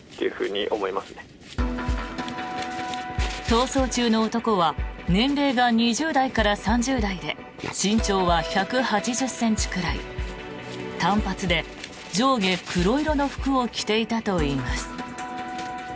逃走中の男は年齢が２０代から３０代で身長は１８０ｃｍくらい短髪で上下黒色の服を着ていたといいます。